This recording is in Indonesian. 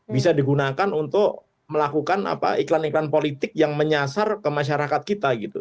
bisa digunakan untuk melakukan iklan iklan politik yang menyasar ke masyarakat kita gitu